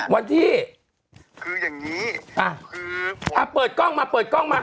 วันที่คืออย่างนี้เปิดกล้องมาเปิดกล้องมา